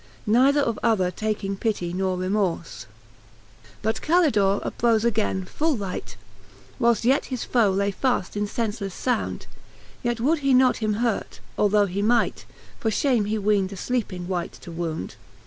Neither of other taking pitty nor remorfe. XXXIV. But Calldore uprofe againe full light, Whiles yet his foe lay faft in fencelefle found. Yet would he not him hurt, although he might; Fof fliame he weend a fleeping wight to wound.